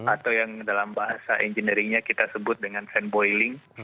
atau yang dalam bahasa engineeringnya kita sebut dengan sandboiling